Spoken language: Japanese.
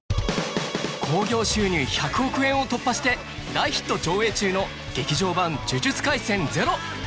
興行収入１００億円を突破して大ヒット上映中の「劇場版呪術廻戦０」